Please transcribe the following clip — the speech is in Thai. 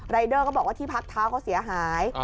เดอร์ก็บอกว่าที่พักเท้าเขาเสียหาย